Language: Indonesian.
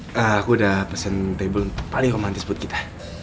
eee aku udah pesen table paling komantis buat kita